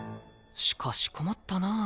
しかし困ったなあ。